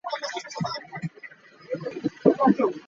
Wadde nga wabaddewo okusoomooza kw'ekirwadde kya Ssennyiga Corona.